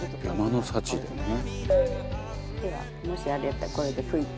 手がもしあれやったらこれで拭いて。